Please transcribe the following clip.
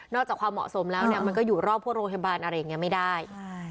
จากความเหมาะสมแล้วเนี่ยมันก็อยู่รอบพวกโรงพยาบาลอะไรอย่างนี้ไม่ได้